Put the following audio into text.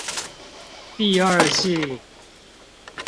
第二性